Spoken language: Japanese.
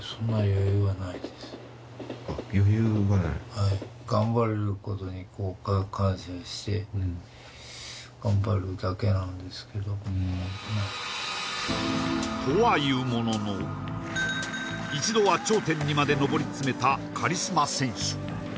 はいなんですけどとはいうものの一度は頂点にまで登りつめたカリスマ選手